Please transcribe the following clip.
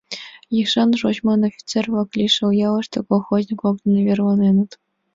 Ешан-шочшан офицер-влак лишыл ялыште колхозник-влак дене верланеныт.